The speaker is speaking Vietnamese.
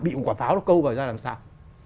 bị một quả pháo nó câu vào ra làm sao